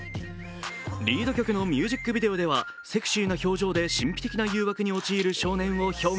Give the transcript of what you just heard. リード曲のミュージックビデオではセクシーな表情で神秘的な誘惑に陥る少年を表現。